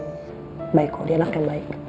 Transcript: emang orang baik kok dia anak yang baik